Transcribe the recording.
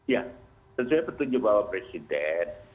ya tentunya betul juga pak presiden